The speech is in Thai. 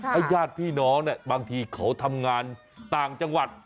ให้ญาติพี่น้องบางทีเขาทำงานต่างจังหวัด